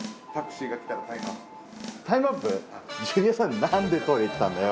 ジュニアさんなんでトイレ行ったんだよ。